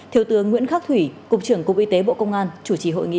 thiếu tướng nguyễn khắc thủy cục trưởng cục y tế bộ công an chủ trì hội nghị